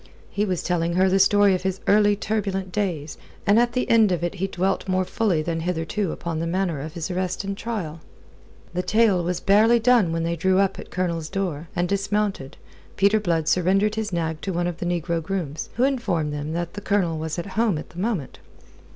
He was telling her the story of his early turbulent days, and at the end of it he dwelt more fully than hitherto upon the manner of his arrest and trial. The tale was barely done when they drew up at the Colonel's door, and dismounted, Peter Blood surrendering his nag to one of the negro grooms, who informed them that the Colonel was from home at the moment.